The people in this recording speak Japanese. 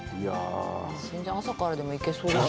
朝からでもいけそうですね。